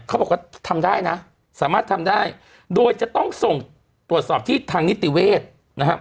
เขาบอกว่าทำได้นะสามารถทำได้โดยจะต้องส่งตรวจสอบที่ทางนิติเวศนะครับ